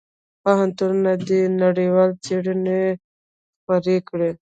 پوهنتونونه دي نړیوالې څېړنې خپرې کړي.